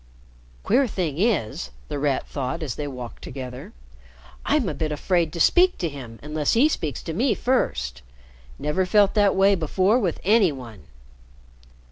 "Queer thing is," The Rat thought as they walked together, "I'm a bit afraid to speak to him unless he speaks to me first. Never felt that way before with any one."